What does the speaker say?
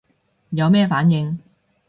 有咩反應